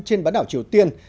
trên bãi đảo triều tiên